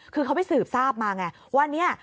คือเขาไปสืบทราบมาไงว่าเนี่ย